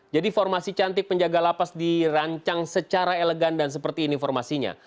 jadi formasi cantik penjaga lapas dirancang secara elegan dan seperti ini formasinya